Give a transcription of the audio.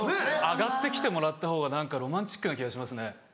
上がって来てもらったほうが何かロマンチックな気がしますね。